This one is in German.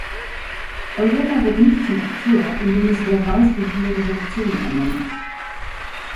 Europa wird nicht zum Akteur, indem es wer weiß wie viele Resolutionen annimmt.